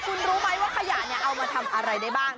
คุณรู้ไหมว่าขยะเนี่ยเอามาทำอะไรได้บ้าง